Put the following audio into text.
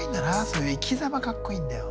そういう生きざまかっこいいんだよ。